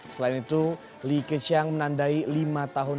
selain itu li keqiang menandai lima tahun